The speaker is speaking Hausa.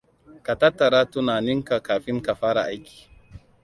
Ka tattara tunaninka kafin ka fara aiki.